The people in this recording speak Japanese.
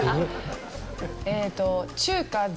えーっと。